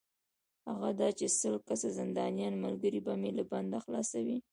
هغه دا چې سل کسه زندانیان ملګري به مې له بنده خلاصوې.